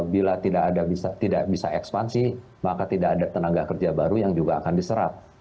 bila tidak bisa ekspansi maka tidak ada tenaga kerja baru yang juga akan diserap